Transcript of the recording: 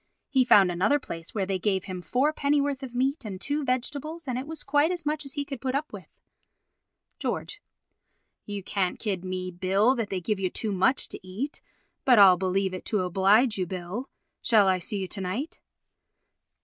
He found another place where they gave him four pennyworth of meat and two vegetables and it was quite as much as he could put up with. George: You can't kid me, Bill, that they give you too much to eat, but I'll believe it to oblige you, Bill. Shall I see you to night?